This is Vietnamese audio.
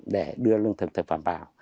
để đưa lương thực thực phẩm vào